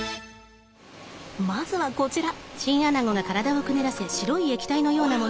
まずはこちら。